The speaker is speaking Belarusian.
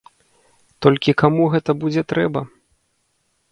Толькі каму гэта будзе трэба?